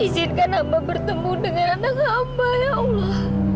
izinkan hamba bertemu dengan anda hamba ya allah